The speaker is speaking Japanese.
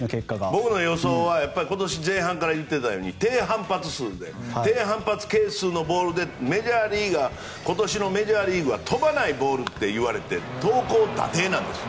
僕の予想は今年前半から言っていたように低反発係数のボールで今年のメジャーリーグは飛ばないボールって言われて投高打低なんです。